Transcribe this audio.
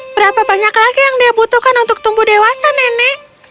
berapa banyak lagi yang dia butuhkan untuk tumbuh dewasa nenek